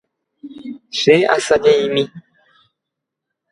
Cheasaje'imi